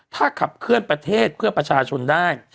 ถ้าขับเคลื่อนประเทศเพื่อประชาชนได้